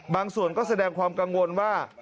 บางส่วนก็แสดงความกังวลว่า